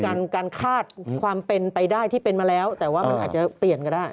การการคาดความเป็นไปได้ที่เป็นมาแล้วแต่ว่ามันอาจจะเปลี่ยนก็ได้